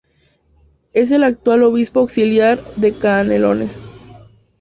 Es el actual obispo auxiliar de Canelones.